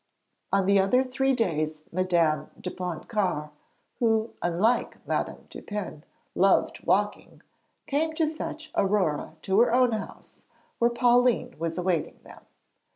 On the other three days Madame de Pontcarré (who, unlike Madame Dupin, loved walking) came to fetch Aurore to her own house, where Pauline was awaiting them.